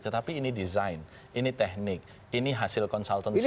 tetapi ini design ini teknik ini hasil konsultansi politik